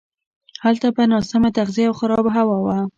هلته به ناسمه تغذیه او خرابه هوا وه.